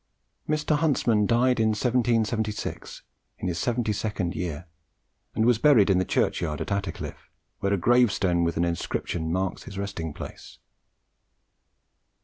Mr. Huntsman died in 1776, in his seventy second year, and was buried in the churchyard at Attercliffe, where a gravestone with an inscription marks his resting place.